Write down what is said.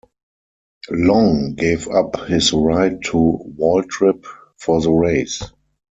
Long gave up his ride to Waltrip for the race.